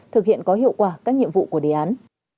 thực hiện có hiệu quả các nhiệm vụ của đề án